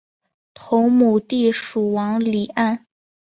同母弟蜀王李愔。